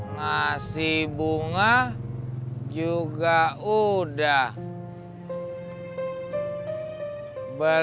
ngasih puisi niontek lirik lagu udeh pernah